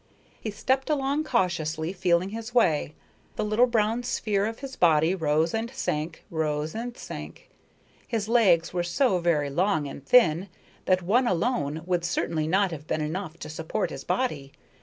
He stepped along cautiously, feeling his way; the little brown sphere of his body rose and sank, rose and sank. His legs were so very long and thin that one alone would certainly not have been enough to support his body.